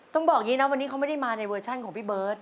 ต้องบอกอย่างนี้นะวันนี้เขาไม่ได้มาในเวอร์ชันของพี่เบิร์ต